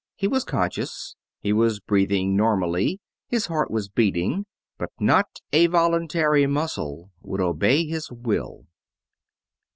He was conscious, he was breathing normally, his heart was beating; but not a voluntary muscle would obey his will!